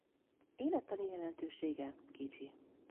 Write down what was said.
Élettani jelentősége kicsi.